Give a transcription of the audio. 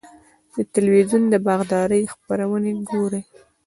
د تلویزیون د باغدارۍ خپرونې ګورئ؟